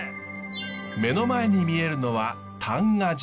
目の前に見えるのは男鹿島。